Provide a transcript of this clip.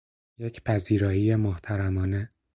یک پذیرائی محترمانه